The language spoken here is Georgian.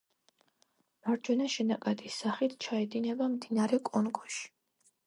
მარჯვენა შენაკადის სახით ჩაედინება მდინარე კონგოში.